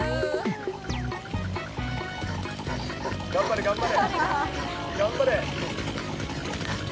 頑張れ頑張れ。